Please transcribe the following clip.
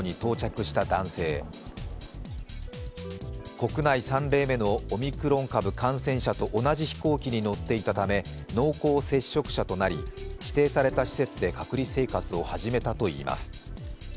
国内３例目のオミクロン株感染者と同じ飛行機に乗っていたため濃厚接触者となり、指定された施設で隔離生活を始めたといいます。